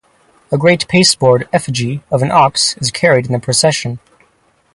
A great pasteboard effigy of an ox is carried in the procession.